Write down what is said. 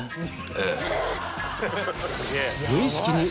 ええ。